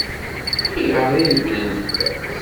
Ayɣer i regglen fell-as?